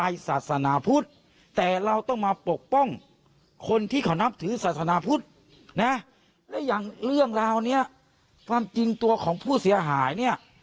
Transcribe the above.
และอย่างเรื่องราวเนี้ยความจริงตัวของผู้เสียหายเนี่ย